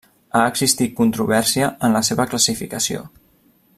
Ha existit controvèrsia en la seva classificació.